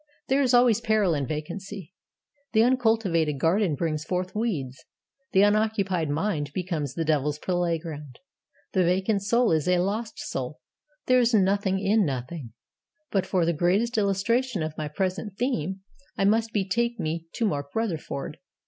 There is always peril in vacancy. The uncultivated garden brings forth weeds. The unoccupied mind becomes the devil's playground. The vacant soul is a lost soul. There is nothing in Nothing. But for the greatest illustration of my present theme I must betake me to Mark Rutherford.